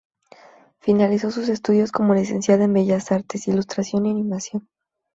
Finalizó sus estudios como licenciada en Bellas Artes, Ilustración y Animación.